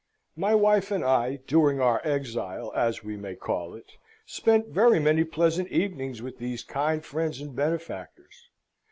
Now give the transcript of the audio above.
My wife and I, during our exile, as we may call it, spent very many pleasant evenings with these kind friends and benefactors.